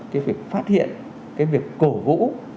cái việc phát hiện cái việc cổ vũ